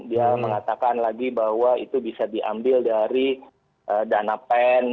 dia mengatakan lagi bahwa itu bisa diambil dari dana pen